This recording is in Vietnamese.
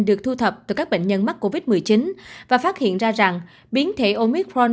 được thu thập từ các bệnh nhân mắc covid một mươi chín và phát hiện ra rằng biến thể omitron